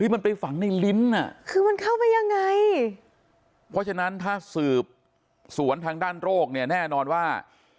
มันไปฝังในลิ้นคือมันเข้าไปยังไงเพราะฉะนั้นถ้าสืบสวนทางด้านโรคเนี่ยแน่นอนว่า